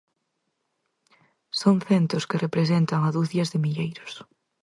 Son centos que representan a ducias de milleiros.